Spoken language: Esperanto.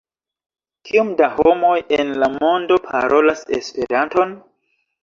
Kiom da homoj en la mondo parolas Esperanton?